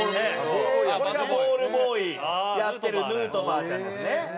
これがボールボーイやってるヌートバーちゃんですね。